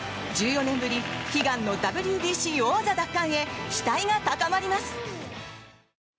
１４年ぶり悲願のＷＢＣ王座奪還へ期待が高まります。